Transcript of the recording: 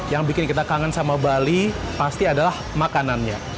yang bikin kita kangen sama bali pasti adalah makanannya